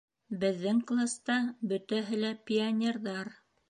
Беҙҙең класта бөтәһе лә пионерҙар.